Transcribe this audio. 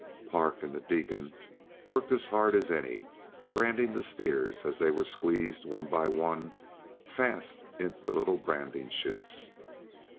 Park and "the Deacon" worked as hard as any, branding the steers as they were squeezed, one by one, fast in the little branding chutes.